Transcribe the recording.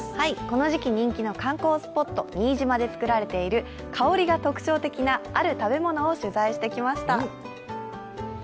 この時期、人気の観光スポット、新島で作られている香りが特徴的な、ある食べ物を取材してきました。